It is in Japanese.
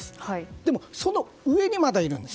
でも、その上にまだいるんです。